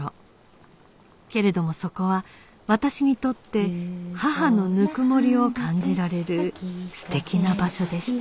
けれどもそこは私にとって母のぬくもりを感じられる素敵な場所でした